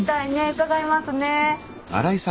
伺いますね。